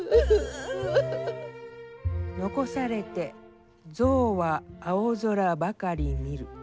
「遺されて象は青空ばかり見る」。